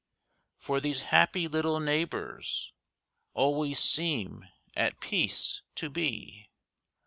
For these happy little neighbors Always seem at peace to be.